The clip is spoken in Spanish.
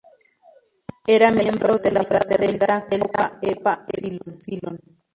Era miembro de la fraternidad Delta Kappa Epsilon.